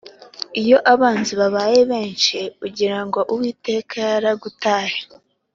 iyo abanzi babaye benshi ugira ngo uwiteka yaragutaye